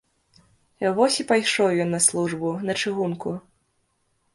Вось і пайшоў ён на службу, на чыгунку.